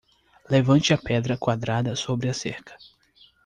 Levante a pedra quadrada sobre a cerca.